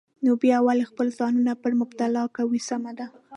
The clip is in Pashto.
نو بیا ولې خپل ځانونه پرې مبتلا کوو؟ سمه ده.